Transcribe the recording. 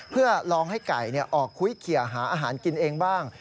เพื่อลองให้ไก่ออกคุยเขียหาอาหารกินเองบ้าง